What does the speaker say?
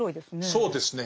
そうですね。